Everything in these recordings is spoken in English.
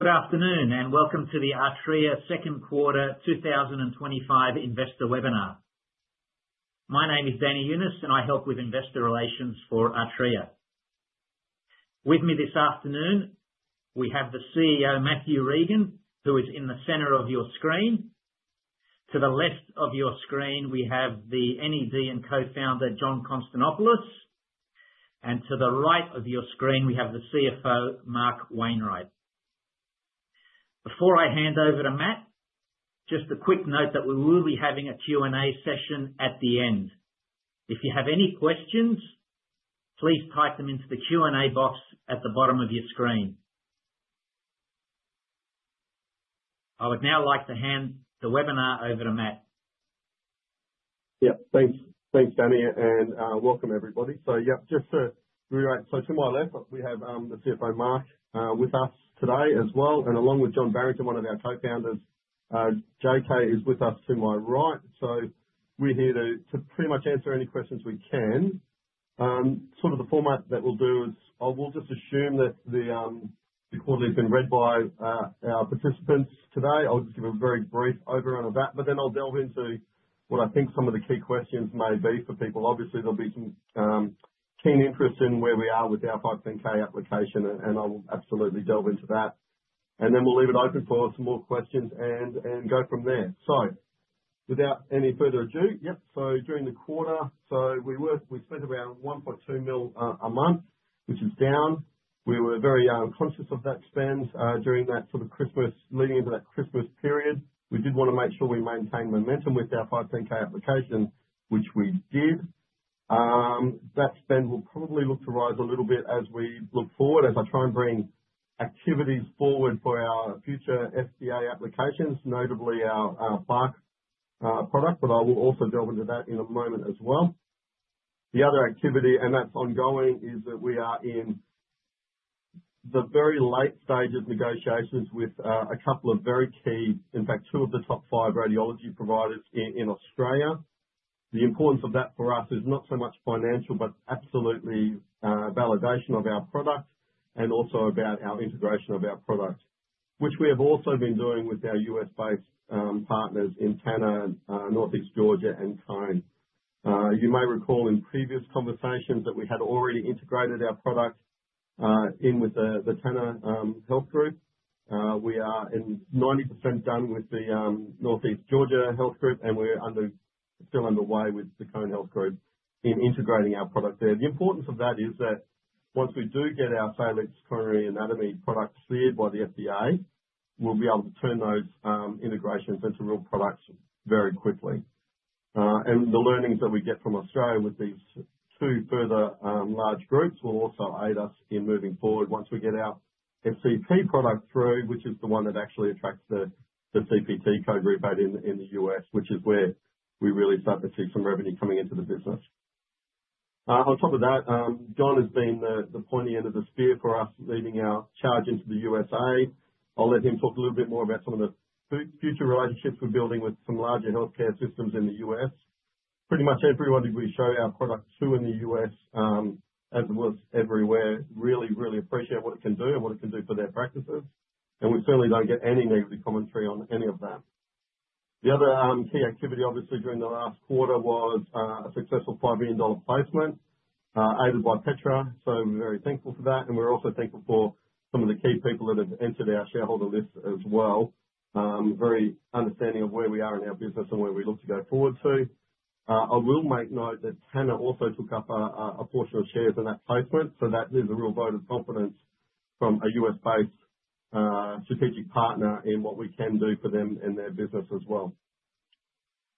Good afternoon, and welcome to the Artrya Second Quarter 2025 Investor Webinar. My name is Danny Younis, and I help with investor relations for Artrya. With me this afternoon, we have the CEO, Mathew Regan, who is in the center of your screen. To the left of your screen, we have the NED and co-founder, John Konstantopoulos. And to the right of your screen, we have the CFO, Mark Wainwright. Before I hand over to Matt, just a quick note that we will be having a Q&A session at the end. If you have any questions, please type them into the Q&A box at the bottom of your screen. I would now like to hand the webinar over to Matt. Yep, thanks. Thanks, Danny, and welcome, everybody, so yep, just to reiterate, so to my left, we have the CFO, Mark, with us today as well, and along with John Barrington, one of our co-founders, JK is with us to my right. So we're here to pretty much answer any questions we can. Sort of the format that we'll do is I will just assume that the quarterly has been read by our participants today. I'll just give a very brief overview of that, but then I'll delve into what I think some of the key questions may be for people. Obviously, there'll be some keen interest in where we are with our 510(k) application, and I will absolutely delve into that, and then we'll leave it open for some more questions and go from there. Without any further ado, yep, so during the quarter, we spent around 1.2 million a month, which is down. We were very conscious of that spend during that sort of Christmas, leading into that Christmas period. We did want to make sure we maintained momentum with our 510(k) application, which we did. That spend will probably look to rise a little bit as we look forward, as I try and bring activities forward for our future FDA applications, notably our SCP product, but I will also delve into that in a moment as well. The other activity, and that's ongoing, is that we are in the very late stage of negotiations with a couple of very key, in fact, two of the top five radiology providers in Australia. The importance of that for us is not so much financial, but absolutely validation of our product and also about our integration of our product, which we have also been doing with our U.S.-based partners in Tanner, Northeast Georgia, and Cone. You may recall in previous conversations that we had already integrated our product in with the Tanner Health Group. We are 90% done with the Northeast Georgia Health Group, and we're still underway with the Cone Health Group in integrating our product there. The importance of that is that once we do get our Salix Coronary Anatomy product cleared by the FDA, we'll be able to turn those integrations into real products very quickly. And the learnings that we get from Australia with these two further large groups will also aid us in moving forward once we get our SCP product through, which is the one that actually attracts the CPT code in the U.S, which is where we really start to see some revenue coming into the business. On top of that, John has been the pointy end of the spear for us, leading our charge into the USA. I'll let him talk a little bit more about some of the future relationships we're building with some larger healthcare systems in the U.S. Pretty much everyone did we show our product to in the U.S., as well as everywhere, really, really appreciate what it can do and what it can do for their practices. And we certainly don't get any negative commentary on any of that. The other key activity, obviously, during the last quarter was a successful 5 million dollar placement aided by Petra. So we're very thankful for that. And we're also thankful for some of the key people that have entered our shareholder list as well, very understanding of where we are in our business and where we look to go forward to. I will make note that Tanner also took up a portion of shares in that placement, so that is a real vote of confidence from a U.S.-based strategic partner in what we can do for them and their business as well.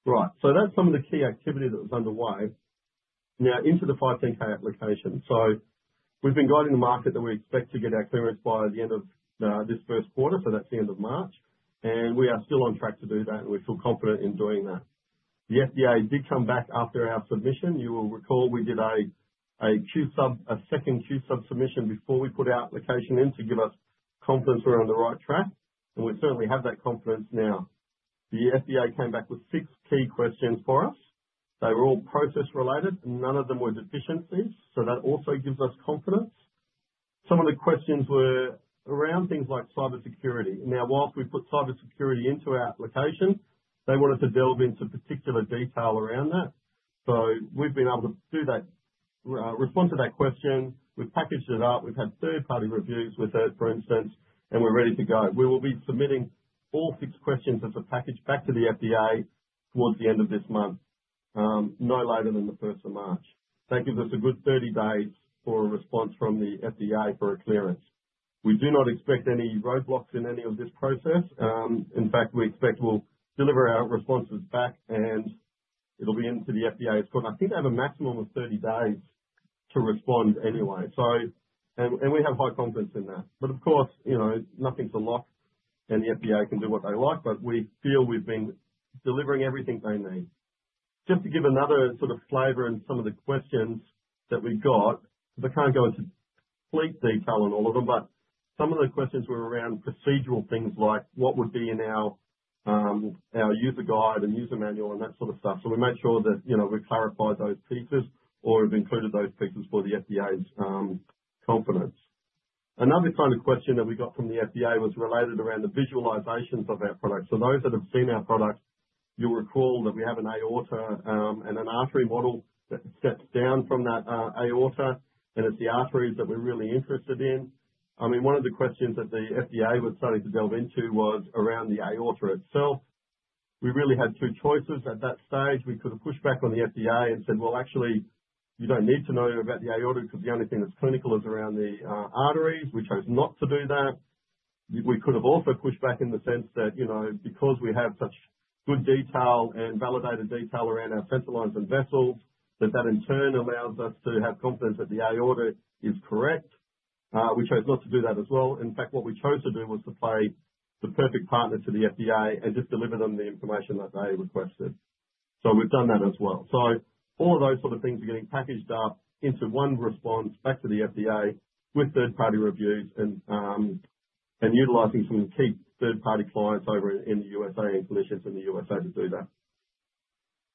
Right, so that's some of the key activity that was underway. Now into the 510(k) application. So we've been guiding the market that we expect to get our clearance by the end of this first quarter, so that's the end of March. And we are still on track to do that, and we feel confident in doing that. The FDA did come back after our submission. You will recall we did a Q-Sub, a second Q-Sub submission before we put our application in to give us confidence we're on the right track, and we certainly have that confidence now. The FDA came back with six key questions for us. They were all process-related, and none of them were deficiencies, so that also gives us confidence. Some of the questions were around things like cybersecurity. Now, while we put cybersecurity into our application, they wanted to delve into particular detail around that. So we've been able to respond to that question. We've packaged it up. We've had third-party reviews with it, for instance, and we're ready to go. We will be submitting all six questions as a package back to the FDA towards the end of this month, no later than the 1st of March. That gives us a good 30 days for a response from the FDA for a clearance. We do not expect any roadblocks in any of this process. In fact, we expect we'll deliver our responses back, and it'll be into the FDA's court. I think they have a maximum of 30 days to respond anyway, and we have high confidence in that. But of course, nothing's a lock, and the FDA can do what they like, but we feel we've been delivering everything they need. Just to give another sort of flavor in some of the questions that we've got, I can't go into complete detail on all of them, but some of the questions were around procedural things like what would be in our user guide and user manual and that sort of stuff. So we made sure that we clarified those pieces or have included those pieces for the FDA's confidence. Another kind of question that we got from the FDA was related around the visualizations of our product. So those that have seen our product, you'll recall that we have an aorta and an artery model that steps down from that aorta, and it's the arteries that we're really interested in. I mean, one of the questions that the FDA was starting to delve into was around the aorta itself. We really had two choices at that stage. We could have pushed back on the FDA and said, "Well, actually, you don't need to know about the aorta because the only thing that's clinical is around the arteries." We chose not to do that. We could have also pushed back in the sense that because we have such good detail and validated detail around our central lines and vessels, that that in turn allows us to have confidence that the aorta is correct. We chose not to do that as well. In fact, what we chose to do was to play the perfect partner to the FDA and just deliver them the information that they requested. So we've done that as well. So, all of those sort of things are getting packaged up into one response back to the FDA with third-party reviews and utilizing some key third-party clients over in the USA and clinicians in the USA to do that.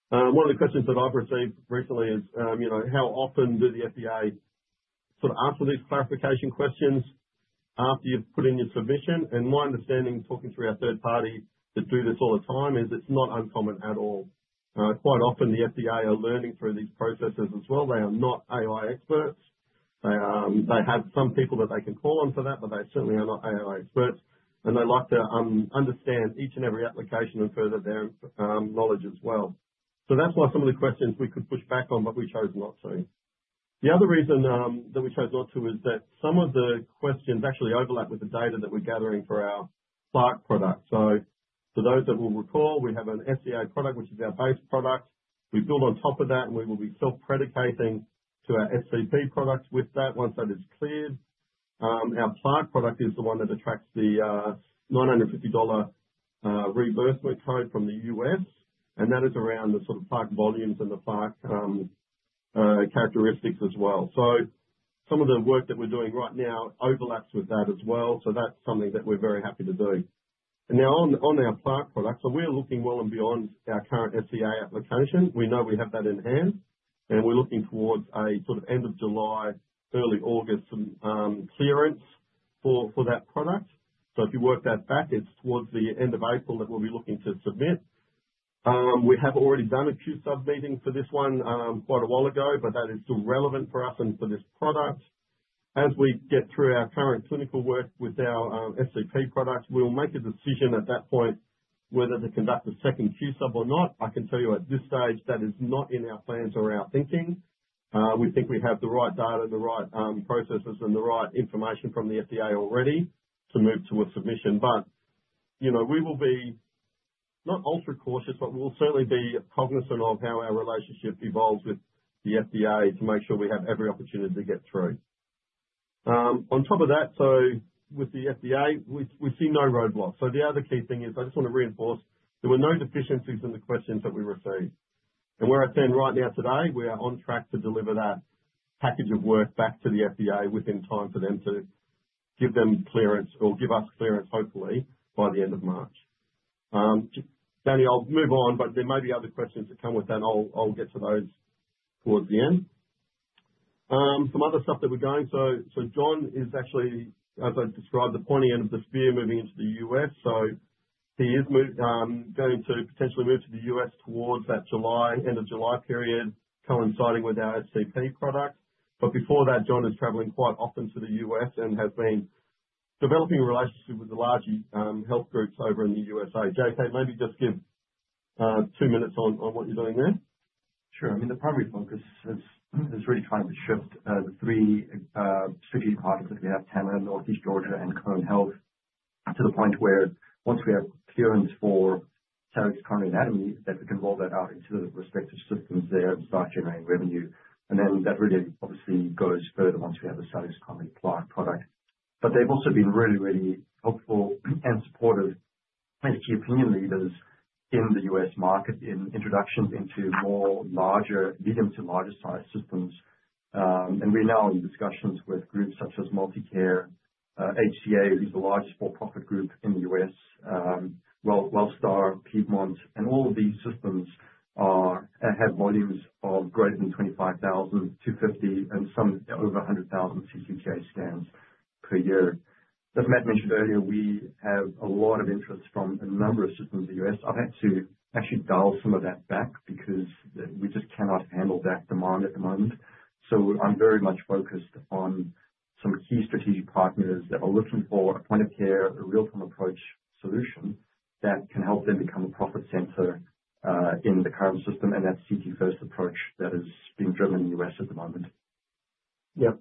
One of the questions that I've received recently is, "How often do the FDA sort of answer these clarification questions after you've put in your submission?" And my understanding, talking through our third party that do this all the time, is it's not uncommon at all. Quite often, the FDA are learning through these processes as well. They are not AI experts. They have some people that they can call on for that, but they certainly are not AI experts. And they like to understand each and every application and further their knowledge as well. So that's why some of the questions we could push back on, but we chose not to. The other reason that we chose not to is that some of the questions actually overlap with the data that we're gathering for our SCP product. So for those that will recall, we have an FDA product, which is our base product. We build on top of that, and we will be self-predicating to our SCP product with that once that is cleared. Our SCP product is the one that attracts the $950 reimbursement code from the U.S., and that is around the sort of SCP volumes and the SCP characteristics as well. So some of the work that we're doing right now overlaps with that as well. So that's something that we're very happy to do. And now on our SCP product, so we're looking well and beyond our current FDA application. We know we have that in hand, and we're looking towards a sort of end of July, early August clearance for that product. So if you work that back, it's towards the end of April that we'll be looking to submit. We have already done a Q-Sub meeting for this one quite a while ago, but that is still relevant for us and for this product. As we get through our current clinical work with our SCP product, we'll make a decision at that point whether to conduct a second Q-Sub or not. I can tell you at this stage that is not in our plans or our thinking. We think we have the right data, the right processes, and the right information from the FDA already to move to a submission. But we will be not ultra-cautious, but we'll certainly be cognizant of how our relationship evolves with the FDA to make sure we have every opportunity to get through. On top of that, so with the FDA, we see no roadblocks. So the other key thing is I just want to reinforce there were no deficiencies in the questions that we received. And where I stand right now today, we are on track to deliver that package of work back to the FDA within time for them to give them clearance or give us clearance, hopefully, by the end of March. Danny, I'll move on, but there may be other questions that come with that, and I'll get to those towards the end. Some other stuff that we're going to. So John is actually, as I described, the pointy end of the spear moving into the U.S. So he is going to potentially move to the U.S. towards that end of July period, coinciding with our SCP product. But before that, John is traveling quite often to the U.S. and has been developing a relationship with the larger health groups over in the USA. JK, maybe just give two minutes on what you're doing there. Sure. I mean, the primary focus has really tried to shift the three strategic partners that we have: Tanner, Northeast Georgia, and Cone Health, to the point where once we have clearance for Salix Coronary Anatomy, that we can roll that out into the respective systems there and start generating revenue. And then that really obviously goes further once we have the Salix Coronary Plaque. But they've also been really, really helpful and supportive as key opinion leaders in the U.S. market in introductions into more larger, medium to larger size systems. And we're now in discussions with groups such as MultiCare, HCA, who's the largest for-profit group in the U.S., Wellstar, Piedmont, and all of these systems have volumes of greater than 25,000, 250,000, and some over 100,000 CCTA scans per year. As Matt mentioned earlier, we have a lot of interest from a number of systems in the U.S. I've had to actually dial some of that back because we just cannot handle that demand at the moment. So I'm very much focused on some key strategic partners that are looking for a point of care, a real-time approach solution that can help them become a profit center in the current system, and that's CT-first approach that is being driven in the U.S. at the moment. Yep.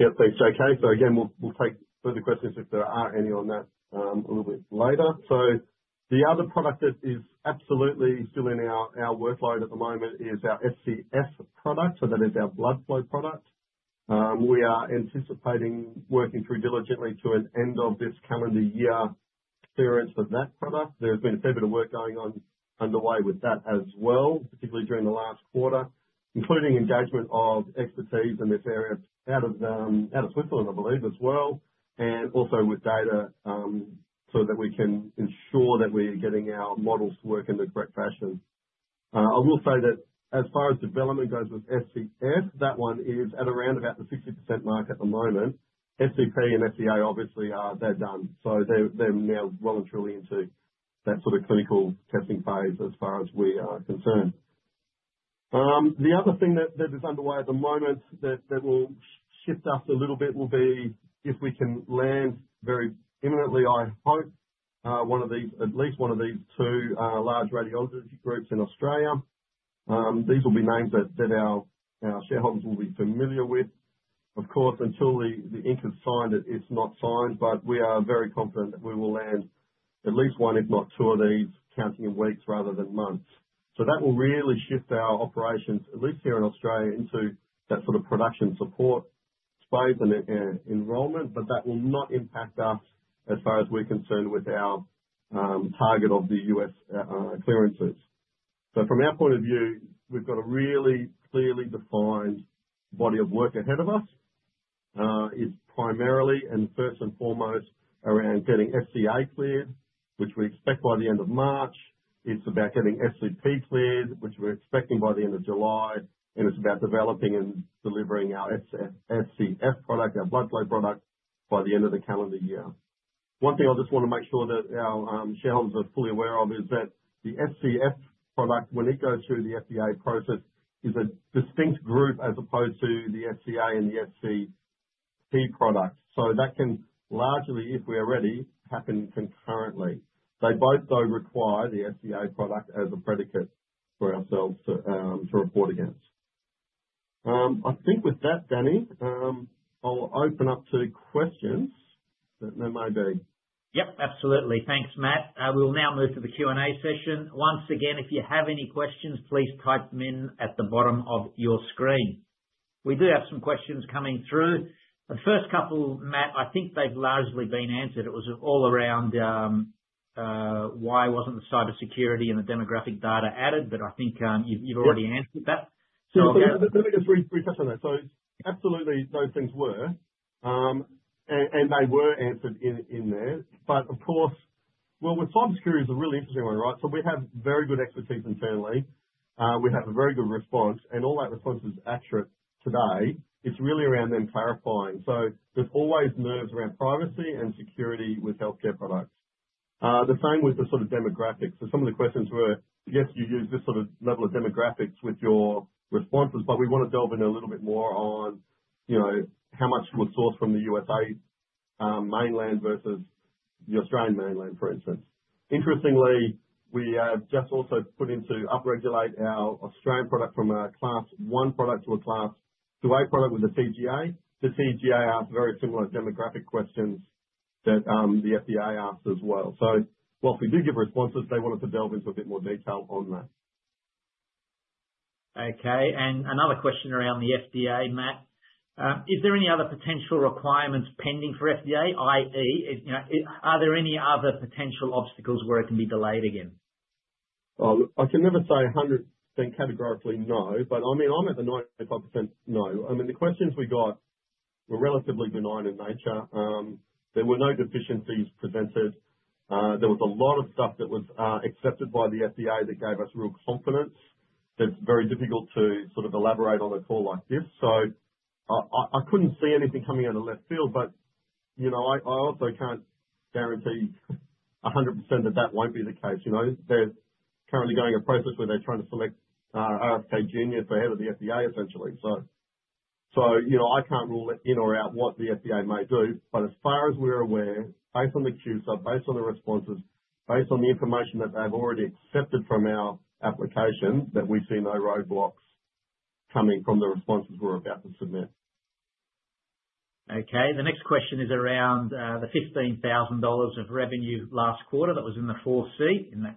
Yep. Thanks, JK. So again, we'll take further questions if there are any on that a little bit later. So the other product that is absolutely still in our workload at the moment is our SCF product, so that is our blood flow product. We are anticipating working through diligently to an end of this calendar year clearance with that product. There has been a fair bit of work going on, underway with that as well, particularly during the last quarter, including engagement of expertise in this area out of Switzerland, I believe, as well, and also with data so that we can ensure that we're getting our models to work in the correct fashion. I will say that as far as development goes with SCF, that one is at around about the 60% mark at the moment. SCP and FDA obviously are. They're done. So they're now well and truly into that sort of clinical testing phase as far as we are concerned. The other thing that is underway at the moment that will shift us a little bit will be if we can land very imminently, I hope, one of these, at least one of these two large radiology groups in Australia. These will be names that our shareholders will be familiar with. Of course, until the ink is signed, it's not signed, but we are very confident that we will land at least one, if not two, of these counting in weeks rather than months. So that will really shift our operations, at least here in Australia, into that sort of production support space and enrollment, but that will not impact us as far as we're concerned with our target of the U.S. clearances. So from our point of view, we've got a really clearly defined body of work ahead of us. It's primarily and first and foremost around getting FDA cleared, which we expect by the end of March. It's about getting SCP cleared, which we're expecting by the end of July, and it's about developing and delivering our SCF product, our blood flow product, by the end of the calendar year. One thing I just want to make sure that our shareholders are fully aware of is that the SCF product, when it goes through the FDA process, is a distinct group as opposed to the SCA and the SCP product. So that can largely, if we're ready, happen concurrently. They both, though, require the SCA product as a predicate for ourselves to report against. I think with that, Danny, I'll open up to questions. There may be. Yep. Absolutely. Thanks, Matt. We'll now move to the Q&A session. Once again, if you have any questions, please type them in at the bottom of your screen. We do have some questions coming through. The first couple, Matt, I think they've largely been answered. It was all around why wasn't the cybersecurity and the demographic data added, but I think you've already answered that. Let me just refresh on that. So absolutely, those things were, and they were answered in there. But of course, well, with cybersecurity, it's a really interesting one, right? So we have very good expertise internally. We have a very good response, and all that response is accurate today. It's really around them clarifying. So there's always nerves around privacy and security with healthcare products. The same with the sort of demographics. So some of the questions were, yes, you use this sort of level of demographics with your responses, but we want to delve in a little bit more on how much was sourced from the USA mainland versus the Australian mainland, for instance. Interestingly, we have just also put into upregulate our Australian product from a Class 1 product to a Class 2A product with the TGA. The TGA asked very similar demographic questions that the FDA asked as well. So while we do give responses, they wanted to delve into a bit more detail on that. Okay. And another question around the FDA, Matt. Is there any other potential requirements pending for FDA? I.e., are there any other potential obstacles where it can be delayed again? I can never say 100% categorically no, but I mean, I'm at the 95% no. I mean, the questions we got were relatively benign in nature. There were no deficiencies presented. There was a lot of stuff that was accepted by the FDA that gave us real confidence that's very difficult to sort of elaborate on a call like this. So I couldn't see anything coming out of left field, but I also can't guarantee 100% that that won't be the case. They're currently going a process where they're trying to select RFK Jr. for head of the FDA, essentially. So, I can't rule it in or out what the FDA may do, but as far as we're aware, based on the Q-Sub, based on the responses, based on the information that they've already accepted from our application, that we see no roadblocks coming from the responses we're about to submit. Okay. The next question is around the 15,000 dollars of revenue last quarter that was in the fourth quarter.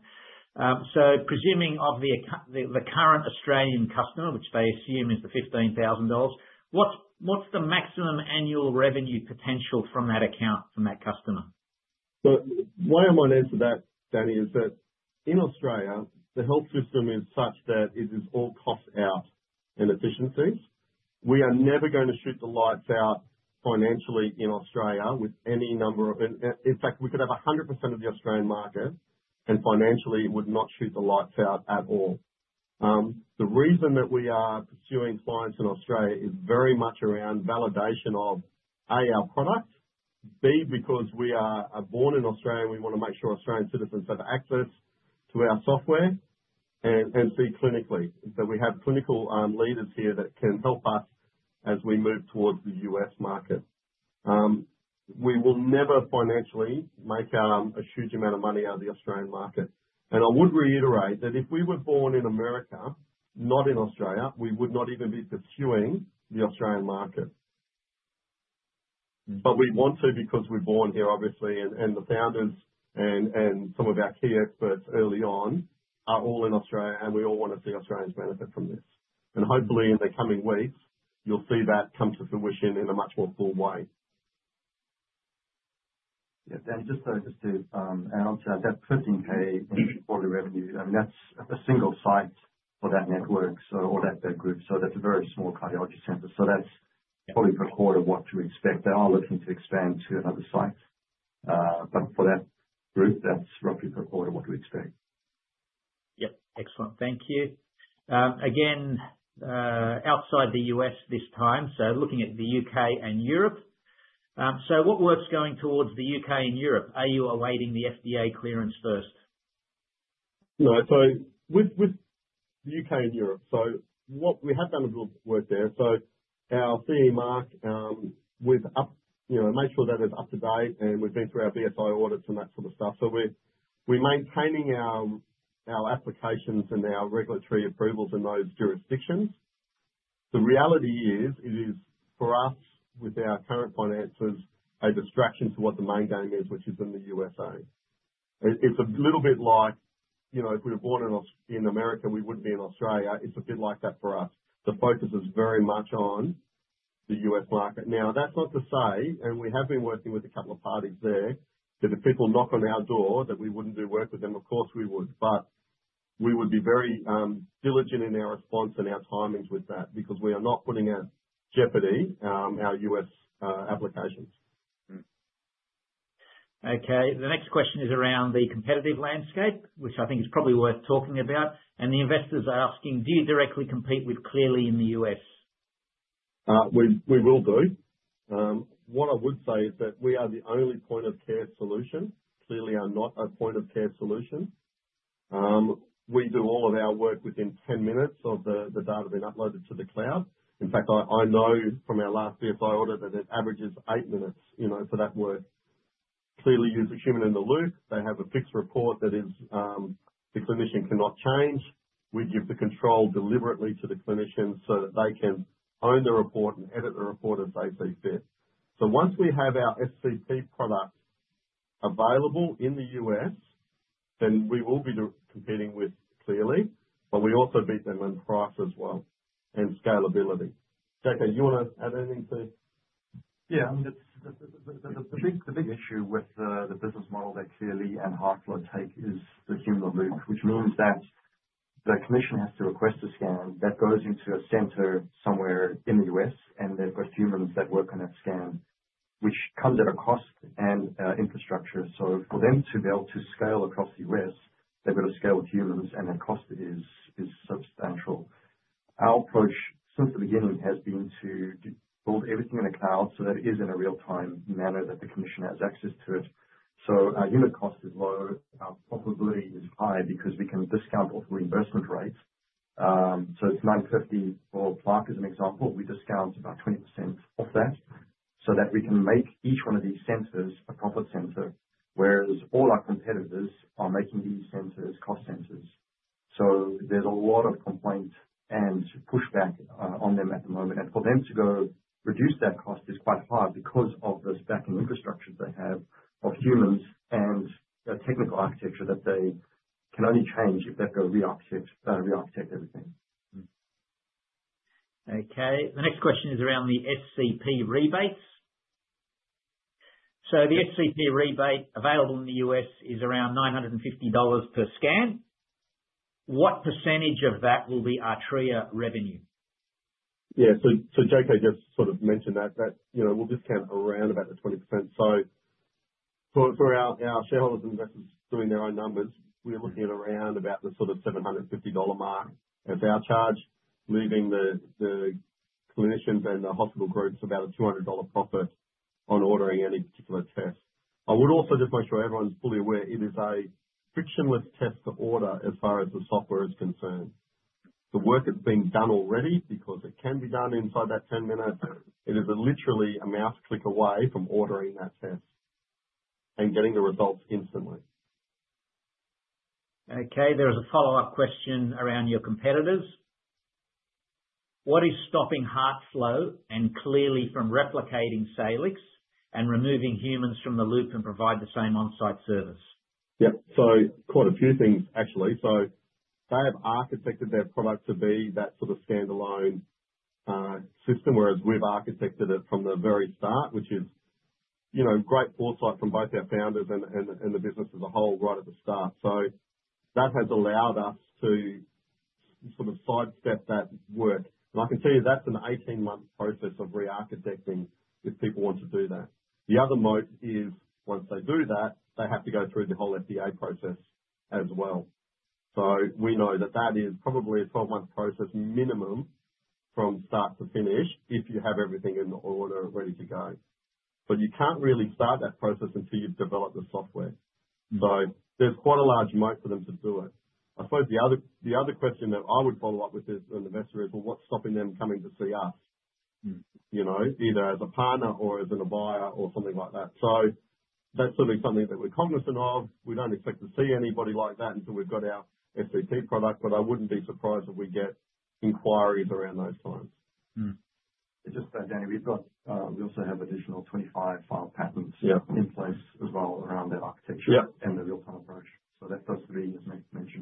So presuming of the current Australian customer, which they assume is the 15,000 dollars, what's the maximum annual revenue potential from that account, from that customer? The way I might answer that, Danny, is that in Australia, the health system is such that it is all cost out and efficiencies. We are never going to shoot the lights out financially in Australia with any number. In fact, we could have 100% of the Australian market, and financially, it would not shoot the lights out at all. The reason that we are pursuing clients in Australia is very much around validation of A, our product, B, because we are born in Australia, and we want to make sure Australian citizens have access to our software and C clinically. We have clinical leaders here that can help us as we move towards the U.S. market. We will never financially make a huge amount of money out of the Australian market. And I would reiterate that if we were born in America, not in Australia, we would not even be pursuing the Australian market. But we want to because we're born here, obviously, and the founders and some of our key experts early on are all in Australia, and we all want to see Australians benefit from this. And hopefully, in the coming weeks, you'll see that come to fruition in a much more full way. Yeah. Danny, just to add on to that, that 13,000 in quality revenue, I mean, that's a single site for that network or that group. So that's a very small cardiology center. So that's probably per quarter what to expect. They are looking to expand to another site. But for that group, that's roughly per quarter what we expect. Yep. Excellent. Thank you. Again, outside the U.S. this time, so looking at the U.K. and Europe. So what works going towards the U.K. and Europe? Are you awaiting the FDA clearance first? No. So with the U.K. and Europe, so we have done a little bit of work there. So our CE Mark we'll make sure that it's up to date, and we've been through our BSI audits and that sort of stuff. So we're maintaining our applications and our regulatory approvals in those jurisdictions. The reality is, it is for us, with our current finances, a distraction to what the main game is, which is in the USA. It's a little bit like if we were born in America, we wouldn't be in Australia. It's a bit like that for us. The focus is very much on the U.S. market. Now, that's not to say, and we have been working with a couple of parties there, that if people knock on our door that we wouldn't do work with them, of course we would. But we would be very diligent in our response and our timings with that because we are not putting at jeopardy our U.S. applications. Okay. The next question is around the competitive landscape, which I think is probably worth talking about. And the investors are asking, do you directly compete with Cleerly in the U.S.? We will do. What I would say is that we are the only Point of Care solution. Cleerly are not a Point of Care solution. We do all of our work within 10 minutes of the data being uploaded to the cloud. In fact, I know from our last BSI audit that it averages eight minutes for that work. Cleerly uses human-in-the-loop. They have a fixed report that the clinician cannot change. We give the control deliberately to the clinicians so that they can own the report and edit the report as they see fit. So once we have our SCP product available in the U.S., then we will be competing with Cleerly, but we also beat them in price as well and scalability. JK, do you want to add anything to? Yeah. The big issue with the business model that Cleerly and HeartFlow take is the human in the loop, which means that the clinician has to request a scan that goes into a center somewhere in the U.S., and they've got humans that work on that scan, which comes at a cost and infrastructure. So for them to be able to scale across the U.S., they've got to scale with humans, and that cost is substantial. Our approach since the beginning has been to build everything in a cloud so that it is in a real-time manner that the clinician has access to it. So our unit cost is low. Our profitability is high because we can discount all the reimbursement rates. So it's $950 for SCA as an example. We discount about 20% off that so that we can make each one of these centers a profit center, whereas all our competitors are making these centers cost centers. So there's a lot of complaint and pushback on them at the moment. And for them to go reduce that cost is quite hard because of the stacking infrastructure they have of humans and the technical architecture that they can only change if they've got to re-architect everything. Okay. The next question is around the SCP rebates. So the SCP rebate available in the U.S. is around $950 per scan. What percentage of that will be Artrya revenue? Yeah, so JK just sort of mentioned that we'll discount around about the 20%. So for our shareholders and investors doing their own numbers, we're looking at around about the sort of 750 dollar mark as our charge, leaving the clinicians and the hospital groups about a 200 dollar profit on ordering any particular test. I would also just make sure everyone's fully aware it is a frictionless test to order as far as the software is concerned. The work that's being done already, because it can be done inside that 10 minutes. It is literally a mouse click away from ordering that test and getting the results instantly. Okay. There is a follow-up question around your competitors. What is stopping HeartFlow and Cleerly from replicating Salix and removing humans from the loop and provide the same on-site service? Yep. So quite a few things, actually. So they have architected their product to be that sort of standalone system, whereas we've architected it from the very start, which is great foresight from both our founders and the business as a whole right at the start. So that has allowed us to sort of sidestep that work. And I can tell you that's an 18-month process of re-architecting if people want to do that. The other moat is once they do that, they have to go through the whole FDA process as well. So we know that that is probably a 12-month process minimum from start to finish if you have everything in order ready to go. But you can't really start that process until you've developed the software. So there's quite a large moat for them to do it. I suppose the other question that I would follow up with as an investor is, well, what's stopping them coming to see us, either as a partner or as an advisor or something like that? So that's certainly something that we're cognizant of. We don't expect to see anybody like that until we've got our SCP product, but I wouldn't be surprised if we get inquiries around those times. Just that, Danny, we also have additional 25 file patterns in place as well around that architecture and the real-time approach, so that does remain a major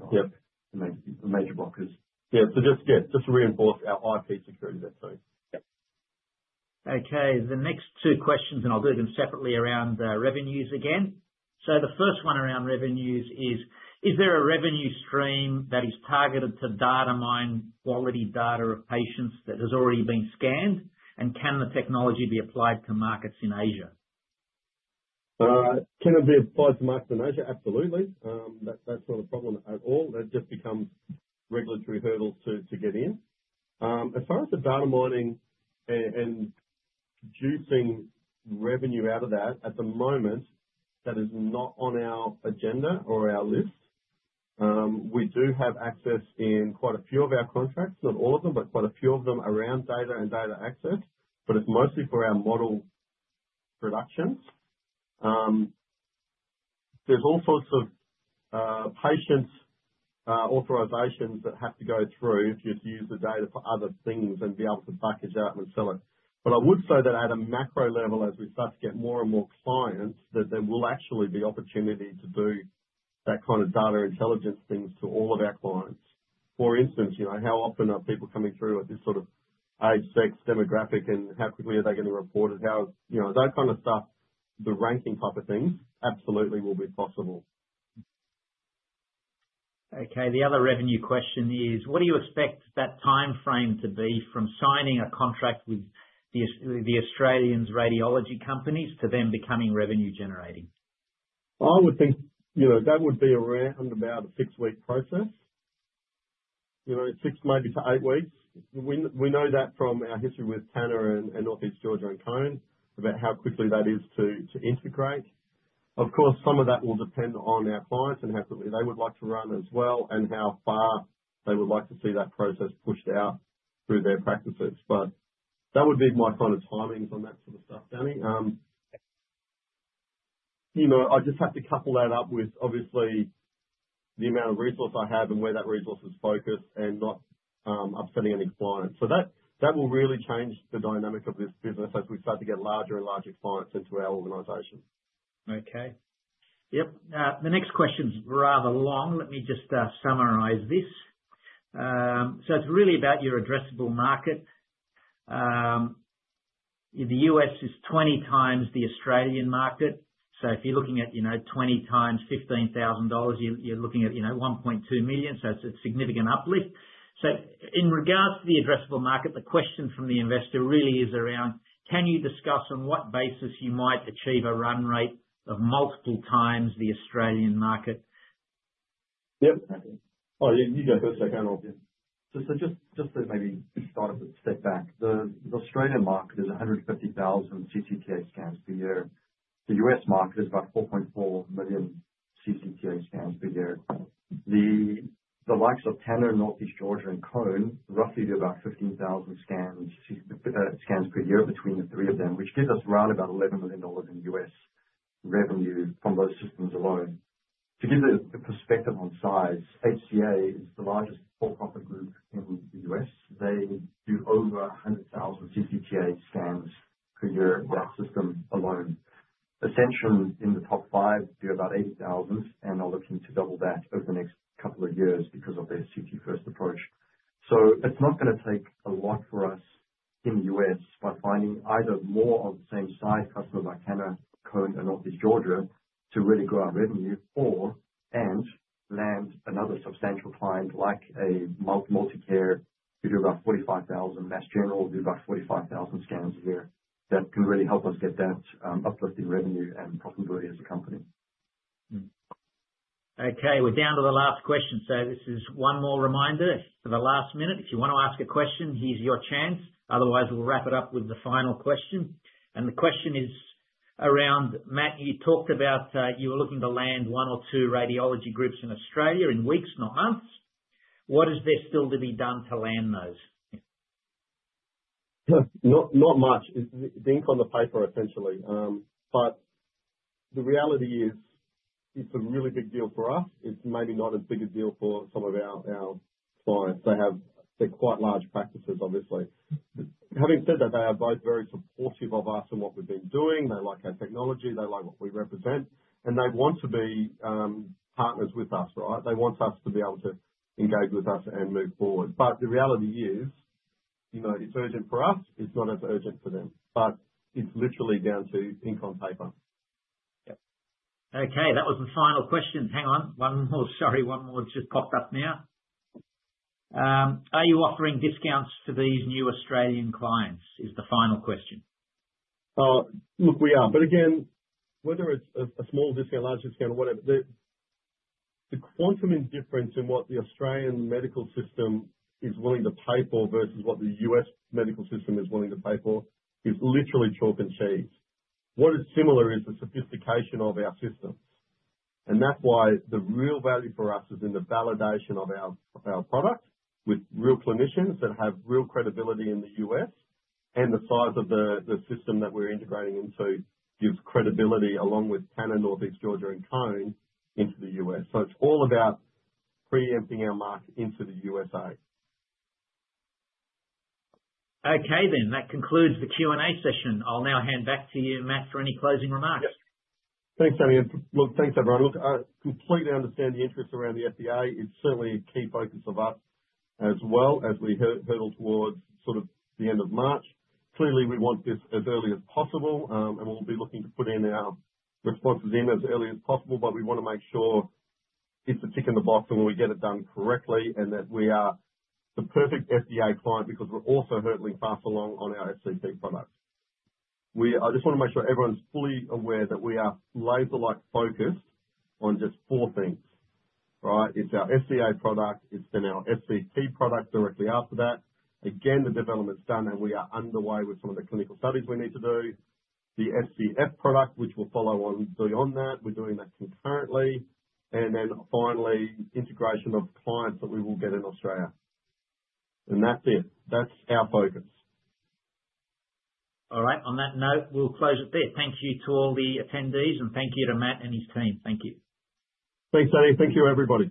blocker. Yeah. So just to reinforce our IP security there, too. Okay. The next two questions, and I'll do them separately around revenues again. So the first one around revenues is there a revenue stream that is targeted to data mine, quality data of patients that has already been scanned, and can the technology be applied to markets in Asia? Can it be applied to markets in Asia? Absolutely. That's not a problem at all. That just becomes regulatory hurdles to get in. As far as the data mining and juicing revenue out of that, at the moment, that is not on our agenda or our list. We do have access in quite a few of our contracts, not all of them, but quite a few of them around data and data access, but it's mostly for our model productions. There's all sorts of patient authorizations that have to go through if you use the data for other things and be able to bucket it out and sell it. But I would say that at a macro level, as we start to get more and more clients, that there will actually be opportunity to do that kind of data intelligence things to all of our clients. For instance, how often are people coming through at this sort of age sex demographic, and how quickly are they going to report it? Those kind of stuff, the ranking type of things, absolutely will be possible. Okay. The other revenue question is, what do you expect that timeframe to be from signing a contract with the Australian radiology companies to them becoming revenue-generating? I would think that would be around about a six-week process, six maybe to eight weeks. We know that from our history with Tanner and Northeast Georgia and Cone about how quickly that is to integrate. Of course, some of that will depend on our clients and how quickly they would like to run as well and how far they would like to see that process pushed out through their practices. But that would be my kind of timings on that sort of stuff, Danny. I just have to couple that up with, obviously, the amount of resource I have and where that resource is focused and not upsetting any clients. So that will really change the dynamic of this business as we start to get larger and larger clients into our organization. Okay. Yep. The next question's rather long. Let me just summarize this. So it's really about your addressable market. The U.S. is 20x the Australian market. So if you're looking at 20x $15,000, you're looking at $ 1.2 million. So it's a significant uplift. So in regards to the addressable market, the question from the investor really is around, can you discuss on what basis you might achieve a run rate of multiple times the Australian market? Yep. Oh, you go first. I can't help you. So just to maybe start off with a step back, the Australian market is 150,000 CCTA scans per year. The U.S. market is about 4.4 million CCTA scans per year. The likes of Tanner, Northeast Georgia, and Cone, roughly about 15,000 scans per year between the three of them, which gives us around about $11 million in U.S. revenue from those systems alone. To give you a perspective on size, HCA is the largest for-profit group in the U.S. They do over 100,000 CCTA scans per year with that system alone. Ascension in the top five do about 80,000, and are looking to double that over the next couple of years because of their CT-first approach. So it's not going to take a lot for us in the U.S. by finding either more of the same size customers like Tanner, Cone, or Northeast Georgia to really grow our revenue and land another substantial client like a MultiCare who do about 45,000, Mass General do about 45,000 scans a year that can really help us get that uplift in revenue and profitability as a company. Okay. We're down to the last question. So this is one more reminder for the last minute. If you want to ask a question, here's your chance. Otherwise, we'll wrap it up with the final question, and the question is around, Matt, you talked about you were looking to land one or two radiology groups in Australia in weeks, not months. What is there still to be done to land those? Not much. It's ink on the paper, essentially. But the reality is, it's a really big deal for us. It's maybe not as big a deal for some of our clients. They're quite large practices, obviously. Having said that, they are both very supportive of us and what we've been doing. They like our technology. They like what we represent. And they want to be partners with us, right? They want us to be able to engage with us and move forward. But the reality is, it's urgent for us. It's not as urgent for them. But it's literally down to ink on paper. Yep. Okay. That was the final question. Hang on. One more. Sorry. One more just popped up now. Are you offering discounts to these new Australian clients? Is the final question. Look, we are. But again, whether it's a small discount, a large discount, or whatever, the quantum of difference in what the Australian medical system is willing to pay for versus what the U.S. medical system is willing to pay for is literally chalk and cheese. What is similar is the sophistication of our systems, and that's why the real value for us is in the validation of our product with real clinicians that have real credibility in the U.S. The size of the system that we're integrating into gives credibility along with Tanner, Northeast Georgia, and Cone into the U.S. It's all about preempting our market into the USA. Okay then. That concludes the Q&A session. I'll now hand back to you, Matt, for any closing remarks. Thanks, Danny. And look, thanks, everyone. Look, I completely understand the interest around the FDA. It's certainly a key focus of us as well as we hurtle towards sort of the end of March. Clearly, we want this as early as possible, and we'll be looking to put in our responses in as early as possible, but we want to make sure it's a tick in the box and we get it done correctly and that we are the perfect FDA clearance because we're also hurtling fast along on our SCP product. I just want to make sure everyone's fully aware that we are laser-like focused on just four things, right? It's our SCA product. It's then our SCP product directly after that. Again, the development's done, and we are underway with some of the clinical studies we need to do. The SCF product, which will follow on beyond that, we're doing that concurrently. And then finally, integration of clients that we will get in Australia. And that's it. That's our focus. All right. On that note, we'll close it there. Thank you to all the attendees, and thank you to Matt and his team. Thank you. Thanks, Danny. Thank you, everybody.